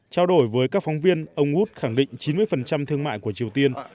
trao đổi với các phóng viên ông út khẳng định chín mươi thương mại của triều tiên